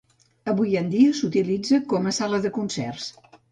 Avui en dia s'utilitza com a sala de concerts.